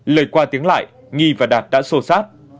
lời qua tiếng lại nghi và đạt đã xô xát